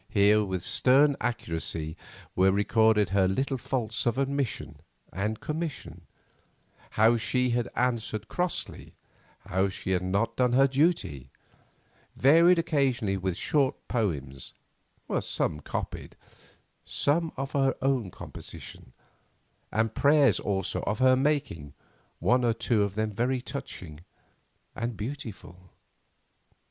Here with stern accuracy were recorded her little faults of omission and commission—how she had answered crossly; how she had not done her duty; varied occasionally with short poems, some copied, some of her own composition, and prayers also of her making, one or two of them very touching and beautiful.